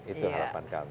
itu harapan kami